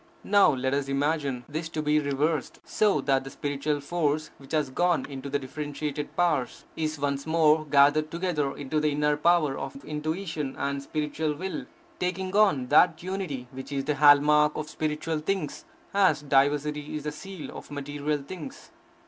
Now let us imagine this to be reversed, so that the spiritual force, which has gone into the differentiated powers, is once more gathered together into the inner power of intuition and spiritual will, taking on that unity which is the hall mark of spiritual things, as diversity is the seal of material things.